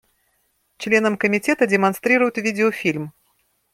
Членам Комитета демонстрируют видеофильм.